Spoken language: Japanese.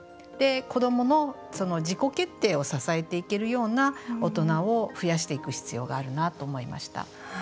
子どもの自己決定を支えていけるような大人を増やしていく必要があるなと思いました。